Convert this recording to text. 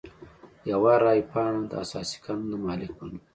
یوه رای پاڼه د اساسي قانون د مالک په نوم.